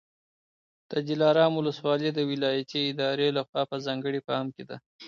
د دلارام ولسوالي د ولایتي ادارې لخوا په ځانګړي پام کي ده.